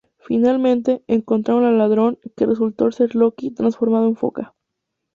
Finalmente, encontraron al ladrón, que resultó ser Loki transformado en foca.